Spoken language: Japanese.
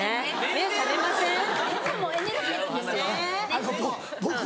目覚めませんか？